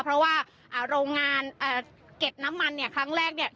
เพราะว่าโรงงานเก็บน้ำมันเนี่ยครั้งแรกเนี่ย